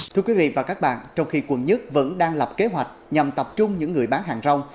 thưa quý vị và các bạn trong khi quận một vẫn đang lập kế hoạch nhằm tập trung những người bán hàng rong